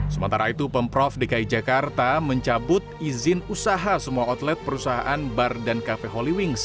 sementara itu pemprov dki jakarta mencabut izin usaha semua outlet perusahaan bar dan kafe holy wings